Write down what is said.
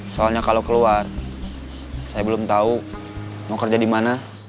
soalnya kalau keluar saya belum tahu mau kerja di mana